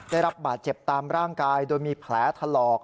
ได้รับบาดเจ็บตามร่างกายโดยมีแผลถลอก